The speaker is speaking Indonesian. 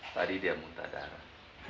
tadi dia muntah darah